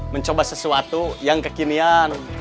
mencoba sesuatu yang kekinian